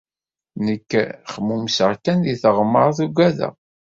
Nekk kmumseɣ kan di teɣmert ugadeɣ.